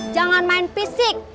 jangan main fisik